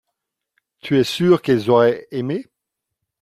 tu es sûr qu'elles auraient aimé.